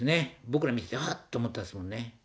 僕ら見ててあっと思ったですもんね。